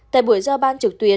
tại buổi giao ban trực tuyến